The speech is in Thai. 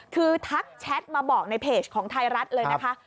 คือทักแชทมาบอกในเพจของไทยรัฐเลยนะคะ